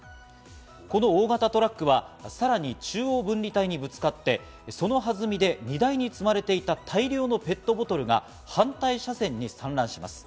この大型トラックはさらに中央分離帯にぶつかって、その弾みで荷台に積まれていた大量のペットボトルが反対車線に散乱します。